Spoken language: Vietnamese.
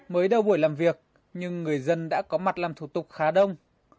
mới đầu buổi làm việc nhưng người dân đã có mặt làm thủ tục khá đông